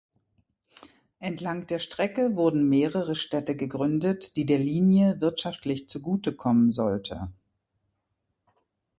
Entlang der Strecke wurden mehrere Städte gegründet, die der Linie wirtschaftlich zugutekommen sollte.